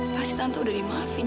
pasti tante udah dimaafin